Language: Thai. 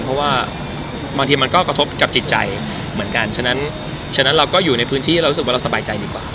เพราะว่าบางทีมันก็กระทบกับจิตใจเหมือนกันฉะนั้นฉะนั้นเราก็อยู่ในพื้นที่เรารู้สึกว่าเราสบายใจดีกว่า